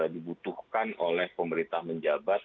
dibutuhkan oleh pemerintah menjabat